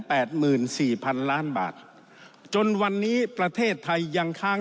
หมื่นสี่พันล้านบาทจนวันนี้ประเทศไทยยังค้าง